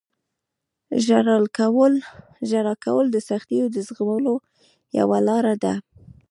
• ژړا کول د سختیو د زغملو یوه لاره ده.